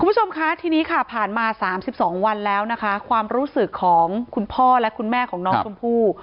คุณผู้ชมคะทีนี้ค่ะผ่านมา๓๒วันแล้วนะคะความรู้สึกของคุณพ่อและคุณแม่ของน้องชมพู่